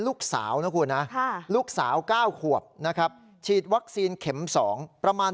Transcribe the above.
ลูกสาวนะคุณนะลูกสาว๙ขวบนะครับฉีดวัคซีนเข็ม๒ประมาณ